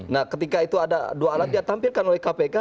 nah ketika itu ada dua alat dia tampilkan oleh kpk